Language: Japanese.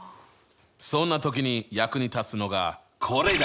そんな時に役に立つのがこれだ！